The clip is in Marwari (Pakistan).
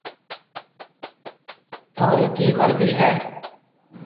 ٿونرِي ڪِي مرضِي هيَ۔